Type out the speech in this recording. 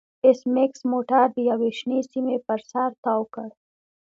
ایس میکس موټر د یوې شنې سیمې پر سر تاو کړ